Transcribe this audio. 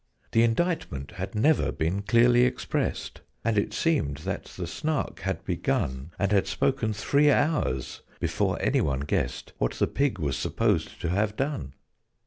The indictment had never been clearly expressed, And it seemed that the Snark had begun, And had spoken three hours, before any one guessed What the pig was supposed to have done.